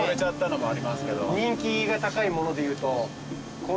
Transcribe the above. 人気が高いものでいうとこの中だと。